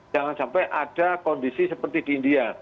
jangan sampai ada kondisi seperti di india